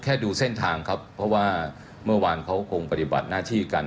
ดูเส้นทางครับเพราะว่าเมื่อวานเขาคงปฏิบัติหน้าที่กัน